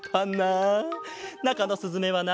なかのすずめはな